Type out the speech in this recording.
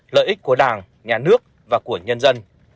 lợi ích của đảng nhà nước và của nhân dân